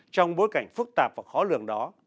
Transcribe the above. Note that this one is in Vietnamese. trong bối cảnh phức tạp và khó lường đó